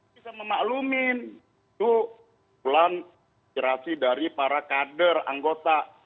bisa memaklumin itu pulang kerasi dari para kader anggota